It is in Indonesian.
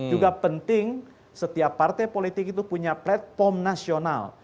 juga penting setiap partai politik itu punya platform nasional